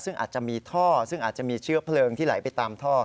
ซึ่งอาจจะมีท่อซึ่งอาจจะมีเชื้อเพลิงที่ไหลไปตามท่อ